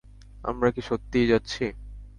আমরা কি সত্যিই যাচ্ছি?